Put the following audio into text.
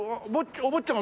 お坊ちゃま